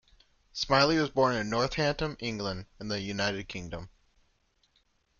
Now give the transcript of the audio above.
Smiley was born in Northampton, England in the United Kingdom.